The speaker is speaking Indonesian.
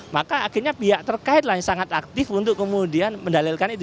maka akhirnya pihak terkaitlah yang sangat aktif untuk kemudian mendalilkan itu